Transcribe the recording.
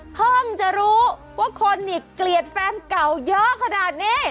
ไม่ต้องรู้ว่าคนนี่เกลียดแฟนเก่าเยอะขนาดนี้